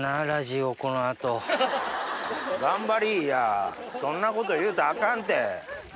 頑張りやそんなこと言うたらあかんて。